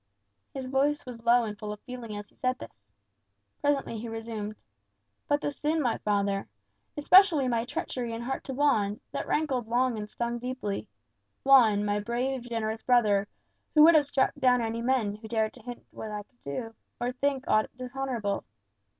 His voice was low and full of feeling as he said this. Presently he resumed. "But the sin, my father! Especially my treachery in heart to Juan; that rankled long and stung deeply. Juan, my brave, generous brother, who would have struck down any man who dared to hint that I could do, or think, aught dishonourable!